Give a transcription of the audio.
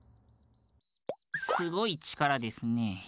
すごいちからですね。